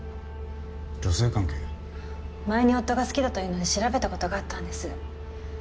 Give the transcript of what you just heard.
前に夫が好きだというので調べたことがあったんです。